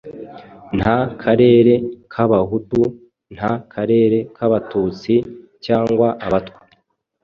Nta karere k'Abahutu, nta karere k'Abatutsi cyangwa Abatwa.